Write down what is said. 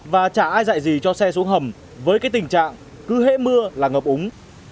và chả ai dạy gì cho xe xuống hầm với cái tình trạng cứ hễ mưa là ngập úng